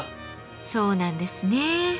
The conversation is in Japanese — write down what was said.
そうなんですね。